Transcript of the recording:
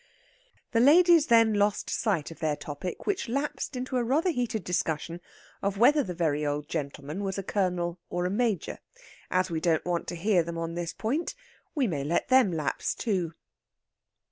The ladies then lost sight of their topic, which lapsed into a rather heated discussion of whether the very old gentleman was a Colonel or a Major. As we don't want to hear them on this point, we may let them lapse too.